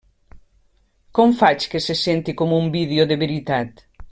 Com faig que se senti com un vídeo de veritat?